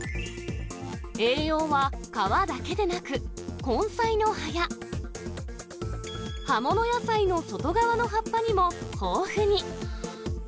栄養は皮だけでなく、根菜の葉や、葉物野菜の外側の葉っぱにも豊富に。